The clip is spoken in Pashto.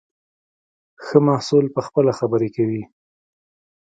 ښه محصول پخپله خبرې کوي.